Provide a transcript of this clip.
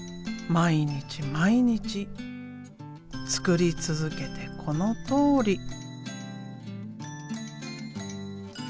毎日毎日作り続けてこのとおり。